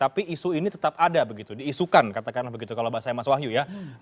tapi isu ini tetap ada begitu diisukan katakanlah begitu kalau bahasanya mas wahyu ya